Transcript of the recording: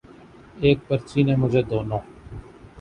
ایک پرچی نے مجھے دونوں